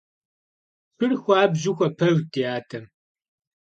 Шыр хуабжьу хуэпэжт ди адэм.